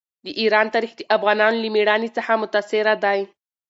د ایران تاریخ د افغانانو له مېړانې څخه متاثره دی.